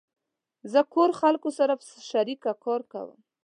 زه کور خلقو سره په شریکه کار کوم